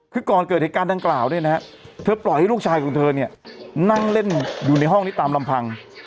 คือก่อนเกิดเหตุการณ์ดังกล่าวเนี่ยนะฮะเธอปล่อยให้ลูกชายของเธอเนี่ยนั่งเล่นอยู่ในห้องนี้ตามลำพัง